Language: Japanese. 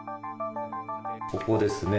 ここですね。